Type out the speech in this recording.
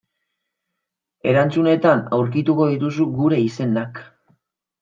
Erantzunetan aurkituko dituzu gure izenak.